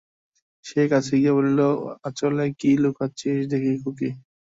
সে কাছে গিয়া বলিল, আঁচলে কি লুকুচ্চিস দেখি খুকি?